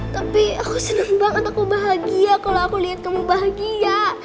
tapi aku senang banget aku bahagia kalau aku lihat kamu bahagia